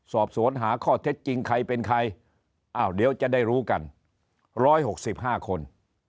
สอบสวนหาข้อเท็จจริงใครเป็นใครอ้าวเดี๋ยวจะได้รู้กัน๑๖๕คน